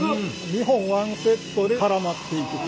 ２本１セットで絡まっていくと。